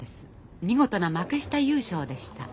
見事な幕下優勝でした。